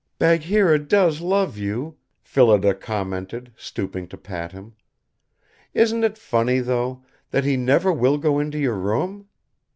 "Bagheera does love you," Phillida commented, stooping to pat him. "Isn't it funny, though, that he never will go into your room?